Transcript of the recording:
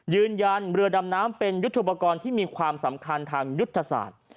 ยืนยันเรือดำน้ำเป็นยุทธปกรณ์ที่มีความสำคัญทางยุทธศาสตร์